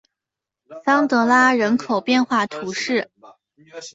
桑德拉人口变化图示